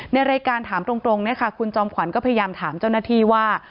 ในรายการถามตรงคุณจอมขวัญก็พยายามถามเจ้าหน้าที่ว่า